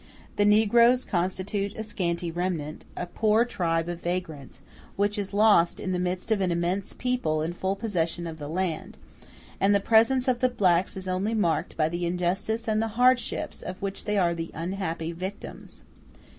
The negroes constitute a scanty remnant, a poor tribe of vagrants, which is lost in the midst of an immense people in full possession of the land; and the presence of the blacks is only marked by the injustice and the hardships of which they are the unhappy victims.